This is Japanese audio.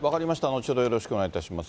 後ほど、よろしくお願いいたします。